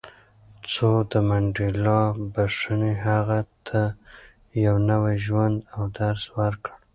خو د منډېلا بښنې هغه ته یو نوی ژوند او درس ورکړ.